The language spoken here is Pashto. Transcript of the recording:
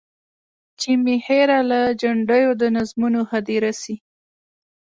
چي مي هېره له جنډیو د نظمونو هدیره سي.